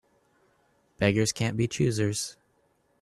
Beggars can't be choosers.